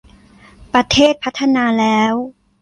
ประเทศพัฒนาแล้ว